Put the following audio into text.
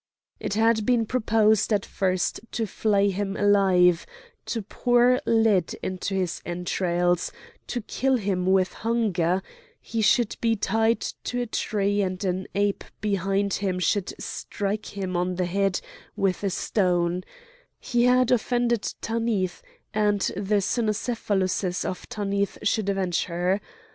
It had been proposed at first to flay him alive, to pour lead into his entrails, to kill him with hunger; he should be tied to a tree, and an ape behind him should strike him on the head with a stone; he had offended Tanith, and the cynocephaluses of Tanith should avenge her.